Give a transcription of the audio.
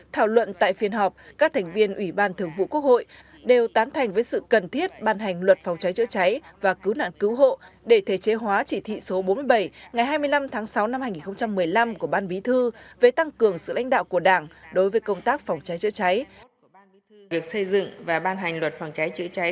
thảo luận tại phiên họp các thành viên ủy ban thường vụ quốc hội đều tán thành với sự cần thiết ban hành luật phòng cháy chữa cháy và cứu nạn cứu hộ để thể chế hóa chỉ thị số bốn mươi bảy ngày hai mươi năm tháng sáu năm hai nghìn một mươi năm của ban bí thư về tăng cường sự lãnh đạo của đảng đối với công tác phòng cháy chữa cháy